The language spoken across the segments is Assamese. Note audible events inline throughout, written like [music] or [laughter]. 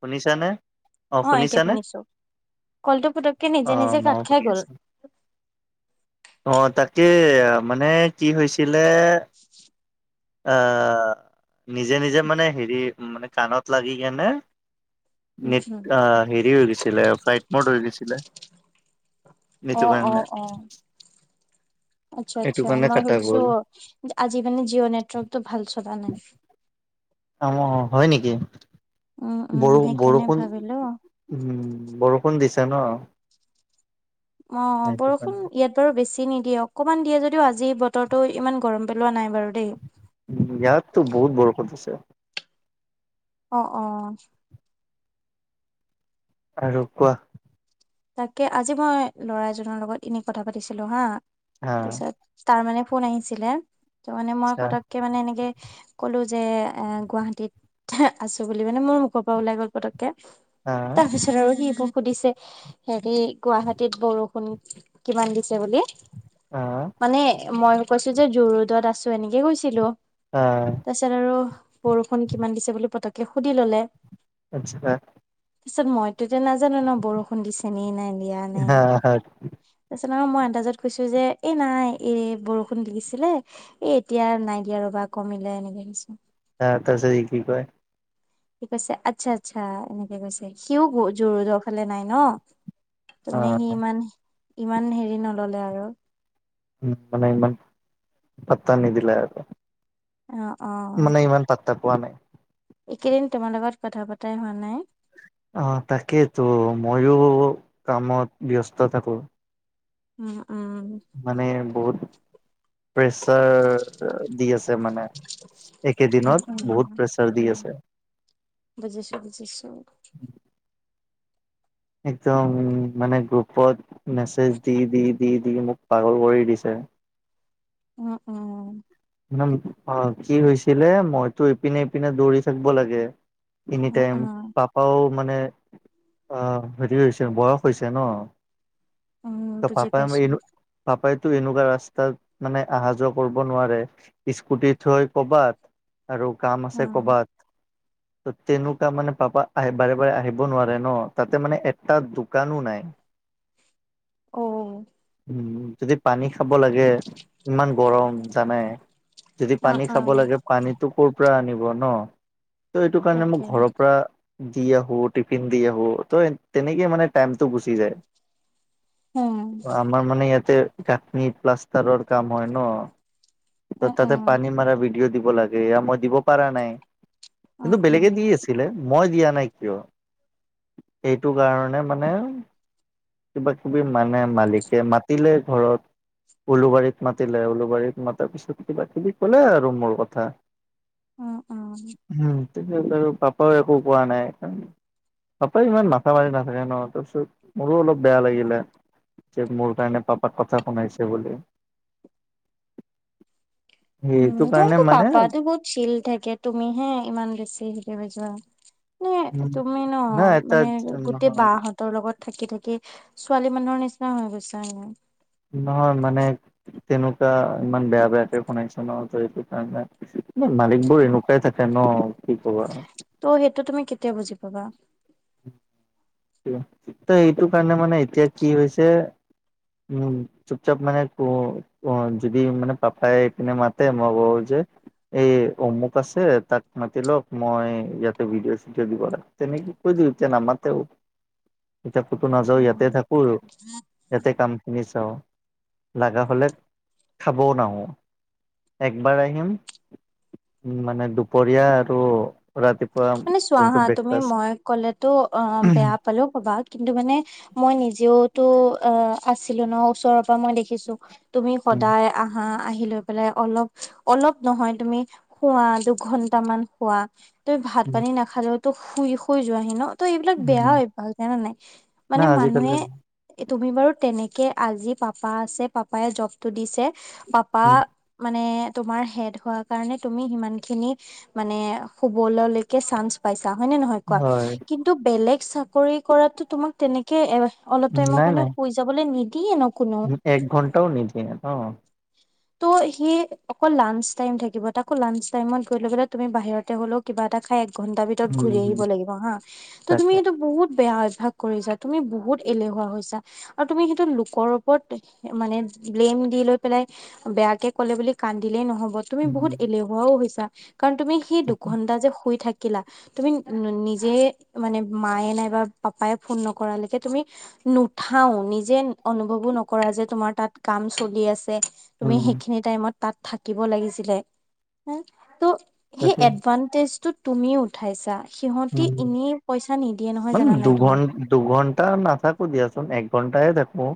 শুনিছা নে? অ, এতিয়া শুনিছানে শুনিছো কলটো পুটুককে অ, নিজে নিজে কাট মইও খাই শুনি গ'ল আছোঁ। অ, তাকে মানে কি হৈছিলে আহ, নিজে-নিজে মানে হেৰি মানে কাণত লাগি কেনে উম নেট উম অ, হেৰি হৈ গৈছিলে ফ্লাইট মড হৈ গৈছিলে। অ নিটো অ কাৰণে। অ আচ্ছা সেইটো -আচ্ছা কাৰণে মই কাটা ভাবিছোঁ গ'ল। আজি মানে জিঅ' নেটৱৰ্কটো ভাল চলা নাই। [unintelligible] হয় নেকি? উম- উম বৰ সেইকাৰণে বৰষুণ ভাবিলোঁ উম, বৰষুণ দিছো ন? অহ, সেইটো বৰষুণ কাৰণে। ইয়াত বাৰু বেছি নিদিয়ে অকমান দিয়ে যদিও আজি বতৰটো ইমান গৰম পেলোৱা নাই বাৰু দেই। উম, ইয়াততো বহুত বৰষুন দিছে। অ', অ', আৰু কোৱা? তাকে আজি মই ল'ৰা এজনৰ লগত এনে কথা পাতিছিলো হা হা তাৰছত তাৰ মানে ফোন আহিছিলে ত'মানে মই আচ্ছা পতককে মানে এনেকে ক'লো যে এ গুৱাহাটীত আছো বুলি মানে মোৰ মুখৰ পৰা ওলাই গ'ল পতককে। হা তাৰ পিছত আৰু সি মোক সুধিছে হেৰি গুৱাহাটীত বৰষুণ কিমান দিছে বুলি হা মানে মই কৈছো যে জু-ৰোডত আছো এনেকে কৈছিলো। আ, তাৰছত আৰু বৰষুণ কিমান দিছে বুলি পতককে সুধি ল'লে আচ্ছা। তাৰছত মইতো যে নাজানো ন, বৰষুণ দিছে নি নে দিয়া নাই। হা হা তাৰছত আৰু মই আন্দাজত কৈছোঁ যে এই নাই এই বৰষুণ দিছিলে এ এতিয়া আৰু নাই দিয়া ৰ'বা কমিলে এনেকে কৈছোঁ। আ, তাৰপিছত ই কি কয়? কি কৈছে আচ্ছা -আচ্ছা এনেকে কৈছে সিও জু- ৰোডৰ ফালে নাই ন'। তোনে অ' সি ইমান -ইমান হেৰি নল'লে আৰু। উম, মানে ইমান পাত্তা নিদিলে আৰু অ অ মানে ইমান পাত্তা পোৱা নাই। এইকেইদিন তোমাৰ লগত কথা পতাই হোৱা নাই। অ, তাকেইতো ময়ো কামত ব্যস্ত থাকোঁ। উম- উম মানে বহুত প্ৰেচাৰ দি আছে মানে। একেদিনত বহুত প্ৰেছাৰ দি আছে। বুজিছোঁ - বুজিছোঁ। একদম মানে গ্ৰুপত মেছেজ দি- দি -দি -দি মোক পাগল কৰি দিছে। [unintelligible] ইমান অ, কি হৈছিলে মইতো ইপিনে -ইপিনে দৌৰি থাকব লাগে উম এনিটাইম উম পাপাও মানে অ, হেৰি হৈছে বয়স হৈছে ন'। উম ত' বুজি পাপাই মই পাইছো এনো পাপাইতো এনেকুৱা ৰাস্তাত মানে আহা যোৱা কৰব নোৱাৰে। স্কুটি থৈ ক'বাত আৰু কাম আছে উম ক'বাত। ত'তেনেকুৱা মানে পাপা আহে বাৰে বাৰে আহিব নোৱাৰে ন' তাতে মানে এটা দোকানো নাই। [inaudible] অ', উম, যদি পানী খাব লাগে ইমান গৰম জানাই। যদি অ পানী অ খাব লাগে পানীটো ক'ৰ পৰা আনিব ন' ত'এইটো কাৰণে তাকে মোক ঘৰৰ পৰা দি আহো টিফিন দি আহো ত' তেনেকে মানে টাইমটো গুচি যায়। উম, আমাৰ মানে ইয়াতে ফেকনি প্লাষ্টাৰৰ কাম হয় ন' ত' উম তাতে উম পানী মাৰ ভিডিঅ' দিব লাগে এয়া মই দিব পাৰা নাই উম কিন্তু উম বেলেগে দি আছে। দিলে মই দিয়া নাই কিয় এইটো কাৰণে মানে কিবা- কিবি মানে মালিকে মাতিলে ঘৰত উলুবাৰীত মাতিলে উলুবাৰীত মাতাৰ পিছত কিবা -কিবি ক'লে আৰু মোৰ কথা। অ', অ', হ, তাৰপিছত আৰু পাপাও একো কোৱা নাই কাৰণ পাপাই ইমান মাথা মাৰি নাথাকে ন'তাৰপিছত মোৰো অলপ বেয়া লাগিলে যে মোৰ কাৰণে পাপাক কথা শুনাইছে বুলি। উম, সেইটো এইটো কাৰণে [unintelligible] মানে পাপাতো বহুত চিল থাকে তুমি হে ইমান বেছি হেৰি হৈ যোৱা। নে উম তুমি ন' নাই এটা মানে গোটেই নহয় বাহত হতৰ লগত থাকি -থাকি ছোৱালী মানুহৰ নিচিনা হৈ গৈছা নহয় মানে তেনেকুৱা ইমান বেয়া-বেয়াকে শুনাইছে ন' ত' এটো কাৰণে নে মালিক বোৰ এনেকুৱাই থাকে ন' কি কবা। ত' সেইটো তুমি কেতিয়া বুজি পাবা? কিয় ত'এইটো কাৰণে মানে এতিয়া কি হৈছে উম, চুপচাপ মানে ক' অ, যদি মানে পাপাই এইপিনে মাতে মই [unintelligible] যে এই অমুক আছে তাক মাতি লওক মই ইয়াতে ভিডিঅ -চিডিঅ দিব লাগে। তেনেকে কৈ দিও এতিয়া নামাতেও। এতিয়া ক'তো নাযাওঁ ইয়াতে থাকো আৰু ইয়াতে কামখিনি চাওঁ। লাগা হ'লে খাবও নাহো একবাৰ আহিম। উম, মানে দুপৰীয়া আৰু ৰাতিপ মানে চোৱা হাঁ তুমি মই কলেতো অ, বেয়া পালেও পাবা কিন্তু মানে মই নিজেওতো অ, আছিলো ন' ওচৰৰ পৰা মই দেখিছোঁ তুমি উম, সদায় আহ আহি লৈ পেলাই অলপ অলপ নহয় তুমি- শুৱা দুঘন্টা মান শুৱা তই ভাত উম, পানী নাখালেও তো শুই শুই যোৱাহি ন। ত' এইবিলাক উম, অভ্যাস জানা নাই, না মানে আজিকালি মানুহে- তুমি বাৰু তেনেকে আজি পাপা আছে, পাপায়ে জব তটো দিছে উম, পাপা- মানে তোমাৰ হেড হোৱা কাৰণে তুমি সিমান খিনি মানে শুবল কে চাঞ্চ পাইছা হয় নে নহয় কোৱা হয়, কিন্তু বেলেগ চাকৰি কৰাততো তোমাক তেনেকে এ অলপ টাইমৰ নাই কাৰণে নাই শুই যাবলে নিদিয়ে ন' কোনো। এক ঘণ্টাও নিদিয়ে ন? ত' সি অকল লাঞ্চ টাইম থাকিব তাকৌ লাঞ্চ টাইমত গৈ লৈ পেললে তুমি বাহিৰতে হলেও কিবা এটা খাই- ঘন্টা ভিতৰত উম, ঘূৰি আহিব হম, লাগিব হা, ত তুমি তাকে এইটো বহুত বেয়া অভ্যাস। কৰিছা তুমি বহুত এলেহুৱা হৈছা। আৰু তুমি সেইটো লোকৰ ওপৰত মানে ব্লেম দি লৈ পেলাই। বেয়াকে ক'লে বুলি কান্দিলেই নহব, তুমি বহুত উম, এলেহুৱাও হৈছা, কাৰণ তুমি- সেই তাকে দুঘন্টা যে শুই থাকে- কিলা, তুমি নিজে মানে মায়ে নাইবা পাপাইে ফোন নকৰালৈকে তুমি- নুঠাও, নিজে অনুভৱো নকৰা যে তোমাৰ তাত কাম চলি আছে- তুমি উম, সেইখিনি টাইমত তাত থাকিব লাগিছিলে, হ ত- সেই তাকে এডভানটেজ টো তুমি উঠাইছা। সিহঁতি উম, এনেই পইচা নিদিয়ে নহয় মানে জানা নাই তোমাক দুঘণ্টাৰ দুঘণ্টা নথাকে- টো দিয়াচোন এক ঘন্টাইে দেখো।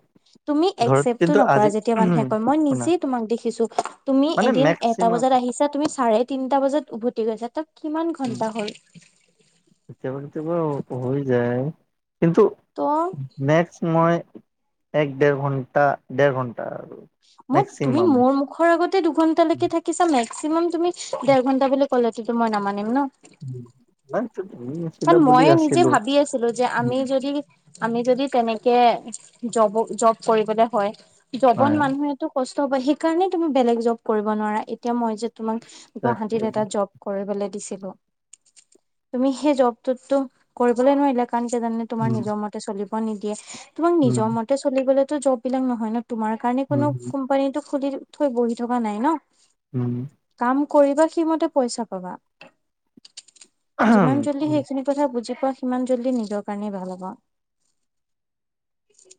তুমি একচেপ্টটো নকৰা যেতিয়া মানুহে কয় মই শুনা নিজে- তোমাক দেখিছো তুমি মানে এদিন এটা মেক্সিমাম বজাত আহিছা তুমি চাৰে তিনটা বজাত উভতি গৈছা তাক- কিমান উম, ঘন্টা হ'ল? কেতিয়াবা কেতিয়াবা হৈ যায় কিন্তু? ত' নেক্সট মই এক দেৰ ঘন্টা, দেৰ ঘন্টা। মোৰ তুমি মেক্সিমাম মোৰ মুখৰ আগতে দুঘন্টা উম। লৈকে থাকিছা মেক্সিমাম তুমি দেৰ ঘন্ট বুলি ক'লেতো মই নামানিম ন'। নাই [unintelligible] কাৰণ মইয়ে নিজে ভাবি আছিলো যে আমি যদি আমি যদি তেনেকে জব জব কৰিবলে হয়, জবত হয় মানুহে- কষ্ট হব, সেইকাৰণে তুমি বেলেগ জব কৰিব নোৱাৰা এতিয়া মই যে তোমাক গুৱাহাটীত তাকে। এটা জব- কৰিবলে দিছিলো, তুমি সেই জবটোতো কৰিবলৈ নোৱাৰিলা কাৰণ কিয় জানে- তোমাৰ উম, নিজৰ মতে চলিব নিদিয়ে, তোমাক উম, নিজৰ মতে চলিবলে তো জব বিলাক নহয় ন। তোমাৰ কাৰণে উম, কোনো কোম্পানীটো খুলি থৈ বহি থকা নাই ন। উম, কাম কৰিবা সেইমতেই পইচা পাবা, উম, যিমান জল্দি শেষ - কথা বুজি পোৱা সিমান জল্দি নিজৰ কাৰণেই ভাল হব।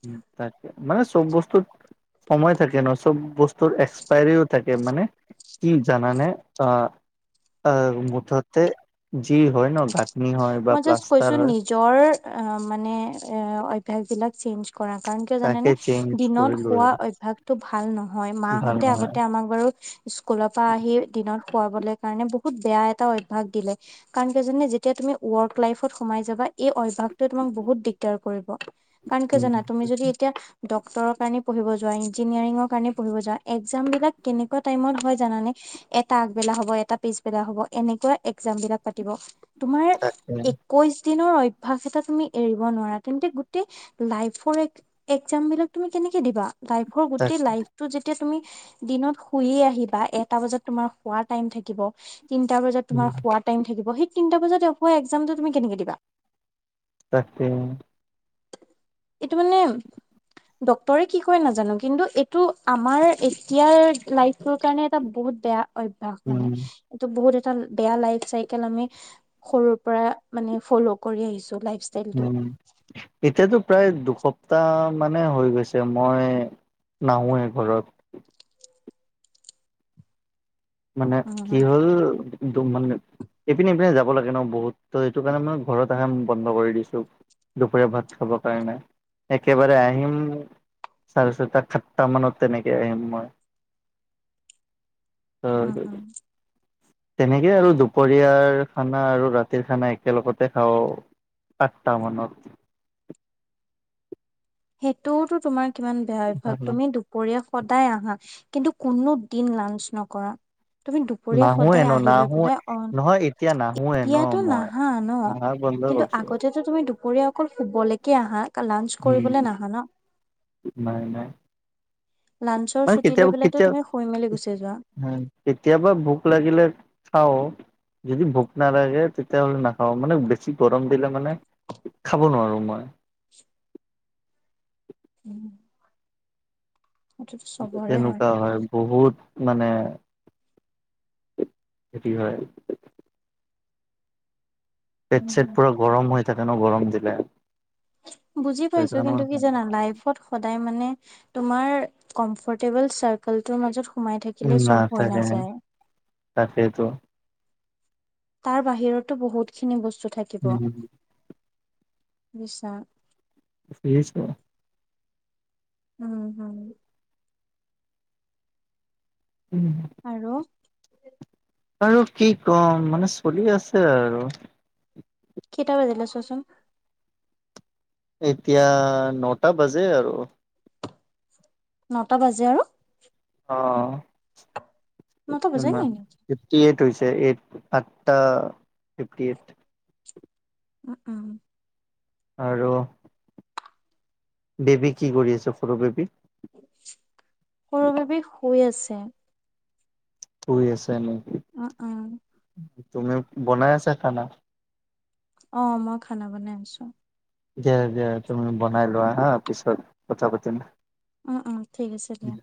উম, তাক মানে চব বস্তু- সময় থাকে ন চব বস্তুৰ এক্সপায়াৰীও থাকে মানে কি জানানে অঁ, -অ' মুঠতে যি হয় ন গা নি হয় বা মই জাষ্ট প্লাষ্টাৰ কৈছো হয়। নিজৰ অঁ মানে অ' অভ্যাস বিলাক চেঞ্চ কৰা কাৰণ কিয়, তাকে জানানে চেঞ্জ দিনত কৰিলো শোৱা হয় অভ্যাসটো ভাল নহয় ভাল মাহতে নহয়। আগতে আমাক বাৰু স্কুলৰ পৰা আহি দিনত শুৱাবলৈ কাৰণে বহুত বেয়া এটা অভ্যাস দিলে। কাৰণ কিয় জানা, যেতিয়া তুমি ৱৰ্ক লাইফত সোমাই যাবা এই অভ্যাসটোৱে তোমাক বহুত দিগদাৰ কৰিব। কাৰণ কিয় উম, জানা তুমি যদি এতিয়া ডক্টৰৰ কাৰণে পঢ়িব যোৱা ইঞ্জিনিয়াৰিঙৰ কাৰণে পঢ়িব যোৱা একজামবিলাক কেনেকুৱা টাইমত হয় জানানে। এটা আগবেলা হ'ব, এটা পিছবেলা হ'ব এনেকুৱা একজাম বিলাক পাতিব তোমাৰ তাকে একৈশ দিনৰ অভ্যাস এটা তুমি এৰিব নোৱাৰা, তেন্তে গোটেই লাইফৰ এক এক্সজাম বিলাক তুমি কেনেকে দিবা, লাইভৰ তাক গোটেই ৰাতিটো যেতিয়া তুমি দিনত শুইে আহিবা এটা বজাত তোমাৰ শুৱাৰ টাইম থাকিব তিনটা বজাত তোমাৰ শুৱাৰ টাইম থাকিব সেই তিনিটা বজাত একজামটো আকৌ তুমি কেনেকে দিবা। তাকে। এইটো মানে ডক্টৰে কি কয় নাজানো কিন্তু এইটো আমাৰ এতিয়াৰ লাইভ তোৰ কাৰণে এটা বহুত বেয়া অভ্যাস উম, মানে এইটো বহুত এটা বেয়া লাইক চাইকেল আমি। সৰুৰ পৰা মানে ফল কৰি আহিছো লাইভ ষ্টাইল উম, এতিয়াতো প্ৰায় দুসপ্তাহ মানে হৈ গৈছে মই, নাহোৱে ঘৰত, মানে উম কি হ'ল। একদম মানে ইপিনে ইপিনে যাব লাগে ন বহুত সেইটো কাৰণে মানে ঘৰত আহে বন্ধ কৰি দিছো। দুপৰীয়া ভাত খাবৰ কাৰণে একেবাৰে আহিম। চাৰে ছয়টা সাতটা মানত তেনেকে আহিম মই। উম উম [unintelligible] তেনেকেই আৰু দুপৰীয়াৰ খানা আৰু ৰাতিৰ খানা একেলগতে খাও। আঠটা মানত। সেইটোও তোমাৰ কিমান বেয়া অভ্যাস তুমি দু দুপৰীয়া সদায় আহা কিন্তু কোনো দিন লাঞ্চ নকৰা। তুমি দুপৰীয়া নাহোৱে সদায় ন আহি লৈ নাহোৱ পেলাই অ নহয় এতিয়া নাহোৱে ন এতিয়াতো মই। নাহা ন বন্ধ কিন্তু কৰিছো। আগতেতো তুমি দুপৰীয়া অকল শুবলৈকে আহা লাঞ্চ উম কৰিবলে নাহা ন। নাই নাই, লাঞ্চৰ মানে ছুটী লৈ কেতিয়াবা পেলাই কেতিয়া তুমি শুই মেলি গুচি যোৱা। কেতিয়াবা ভোক লাগিলে খাওঁ যদি ভোক নালাগে। তেতিয়াহ'লে নাখাওঁ মানে বেছি গৰম দিলে মানে খাব নোৱাৰোঁ মই, উম, কেনেকুৱা হয়। বহুত মানে ক্ষয়তি হয়। পেট-ছেট পুৰা গৰম হৈ থাকে ন গৰম দিলে। বুজি সেইটো পাইছো কিন্তু কি কাৰণে জানা লাইফত, সদায় মানে তোমাৰ কমফৰ্টেবল চাৰ্কেলটোৰ মাজত। সোমাই থাকিলে চব হৈ নাযায়। তাকেটো। তাৰ বাহিৰতো বহুত খিনি বস্তু থাকিব উম বুজিছা। ফিছ হয়। উম হুম, উম। আৰু আৰু কি কম মানে চলি আছে আৰু কেইটা বাজিল ছোৱাচোন। এতিয়া নটা বাজে আৰু নটা বাজে আৰু অঁ নটা বজাই সিমান, নাই নেকি ফিফটি এইট হৈছে এইট আঠটা ফিফটি এইট। উম উম, আৰু বেবি কি কৰি আছে সৰু বেবি। সৰু বেবী শুই আছে। য়েছ আই ন। অ', অ'। তুমি বনাই আছা খানা? অ', মই খানা বনাই আছোঁ। দিয়া দিয়া তুমি বনাই লোৱা হা পিছত কথা পাতিম। উম উম ঠিক আছে দিয়া।